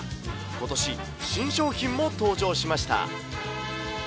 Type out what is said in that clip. ことし、新商品も登場しました。